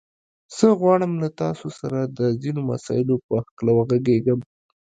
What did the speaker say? زه غواړم له تاسو سره د ځينو مسايلو په هکله وغږېږم.